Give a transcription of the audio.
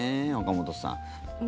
岡本さん。